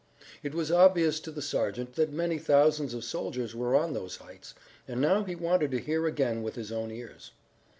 It was obvious to the sergeant that many thousands of soldiers were on those heights, and now he wanted to hear again with his own ears.